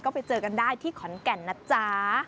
ก็ไปเจอกันได้ที่ขอนแก่นนะจ๊ะ